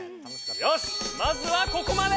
よしまずはここまで！